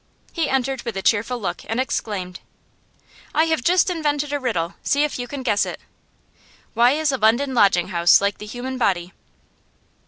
He entered with a cheerful look, and exclaimed: 'I have just invented a riddle; see if you can guess it. Why is a London lodging house like the human body?